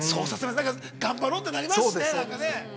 頑張ろうってなりますよね。